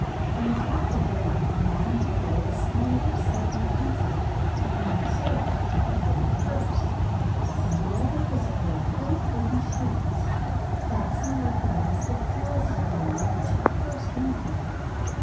On the top of one madame had laid a slender silver pencil, and monsieur a pretty purse. In the other was a pair of little wooden shoes, fashioned like the ones that Jules had worn when she first knew him.